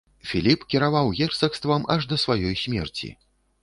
Філіп кіраваў герцагствам аж да сваёй смерці.